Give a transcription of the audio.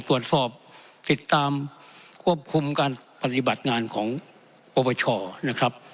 ตรวจสอบติดตามควบคุมการปฏิบัติงานของปปชนะครับ